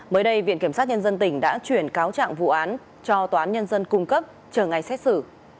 mới đây viện kiểm sát nhân dân tỉnh đã chuyển cáo trạng vụ án cho tòa án nhân dân cung cấp chờ ngày xét xử